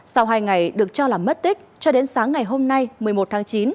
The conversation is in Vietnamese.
sau hai ngày được cho là mất tích cho đến sáng ngày hôm nay một mươi một tháng chín